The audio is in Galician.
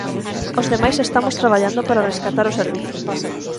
Os demais estamos traballando para rescatar o servizo.